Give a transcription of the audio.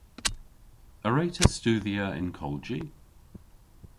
A wre'ta studhya y'n kolji?